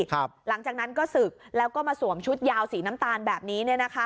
หลังจากนั้นก็ศึกแล้วก็มาสวมชุดยาวสีน้ำตาลแบบนี้เนี่ยนะคะ